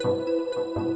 saya mau ke hotel ini